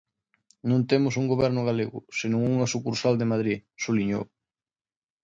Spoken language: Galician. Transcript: Non temos un goberno galego senón unha sucursal de Madrid, subliñou.